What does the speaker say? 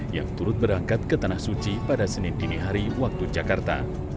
yang turut berangkat ke tanah suci pada senin dini hari waktu jakarta